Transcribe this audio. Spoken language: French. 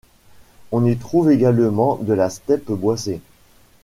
On y trouve également de la Steppe boisée.